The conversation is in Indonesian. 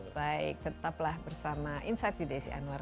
baik tetaplah bersama insight with desi anwar